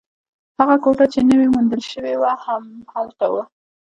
هغه کوټه چې نوې موندل شوې وه، هم هلته وه.